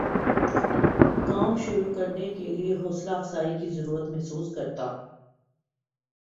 کام شروع کرنے کے لیے حوصلہ افزائی کی ضرورت محسوس کرتا ہوں